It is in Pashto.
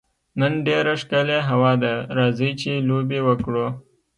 نن ډېره ښکلې هوا ده، راځئ چي لوبي وکړو.